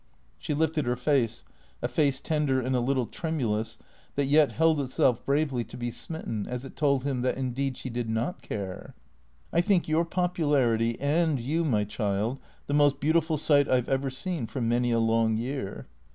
She lifted her face, a face tender and a little tremulous, that yet held itself bravely to be smitten as it told him that indeed she did not care. " I think your popularity, and you, my child, the most beauti ful sight I 've ever seen for many a long year."